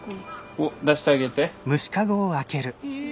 おっ出してあげて。